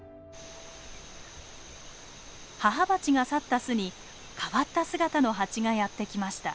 母バチが去った巣に変わった姿のハチがやってきました。